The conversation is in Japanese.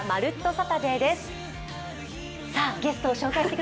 サタデー」です。